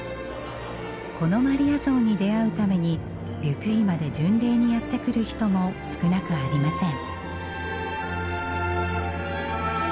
このマリア像に出会うためにル・ピュイまで巡礼にやって来る人も少なくありません。